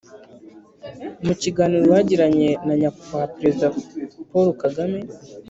mukiganiro bagiranye nanyakubahwa perezida paul kagame